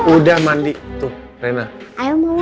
udah mandi tuh rena ayo